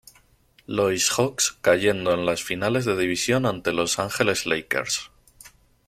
Louis Hawks, cayendo en las finales de división ante Los Angeles Lakers.